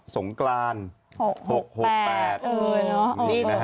สกสก